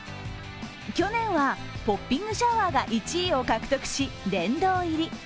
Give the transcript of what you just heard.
去年はポッピングシャワーが１位を獲得し、殿堂入り。